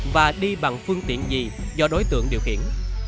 và đi bằng phương tiện gì do đối tượng điều khiển